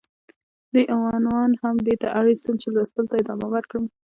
دې عنوان هم دې ته اړيستم چې ،چې لوستلو ته ادامه ورکړم.